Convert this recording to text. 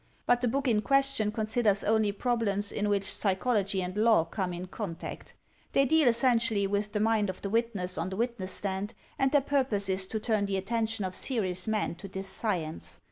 But the book in question considers only problems in which psychology and law come in contact. They deal essentially with the mind of the witness on the witness stand and their purpose is to turn the attention of serious men to this science.